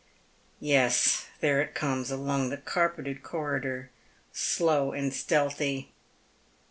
Yes, there it comes along the carpeted corridor, slow and stealthy.